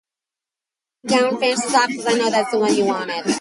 This recognition is considered the top international award for adventure sailing.